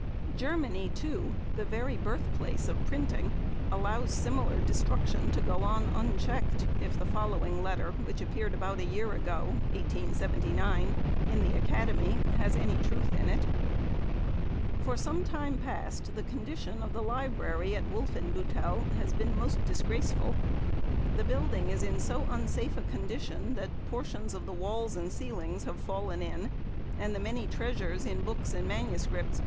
Germany, too, the very birth place of Printing, allows similar destruction to go on unchecked, if the following letter, which appeared about a Year ago (1879) in the Academy has any truth in it: "For some time past the condition of the library at Wolfenbuttel has been most disgraceful. The building is in so unsafe a condition that portions of the walls and ceilings have fallen in, and the many treasures in Books and MSS.